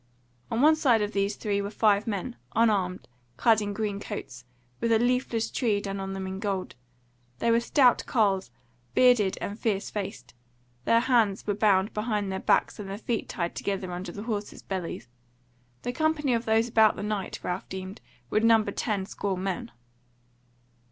On one side of these three were five men, unarmed, clad in green coats, with a leafless tree done on them in gold: they were stout carles, bearded and fierce faced: their hands were bound behind their backs and their feet tied together under their horses' bellies. The company of those about the Knight, Ralph deemed, would number ten score men.